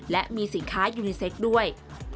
และมีสินค้ายูนิเซ็กด้วย